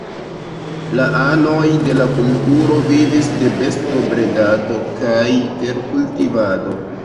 La anoj de la kulturo vivis de bestobredado kaj terkultivado.